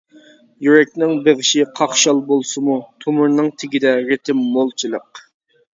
يۈرەكنىڭ بېغىشى قاقشال بولسىمۇ، تومۇرنىڭ تېگىدە رىتىم مولچىلىق.